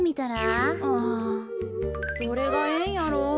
あどれがええんやろう？